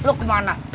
sore lu kemana